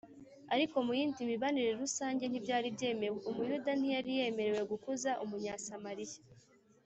ariko mu yindi mibanire rusange ntibyari byemewe. Umuyuda ntiyari yemerewe kuguza Umunyasamariya,